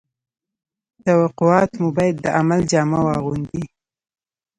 توقعات مو باید د عمل جامه واغوندي